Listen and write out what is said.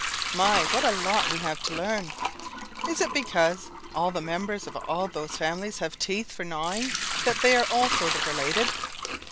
"My, what a lot we have to learn! Is it because all the members of all those families have teeth for gnawing that they are all sort of related?"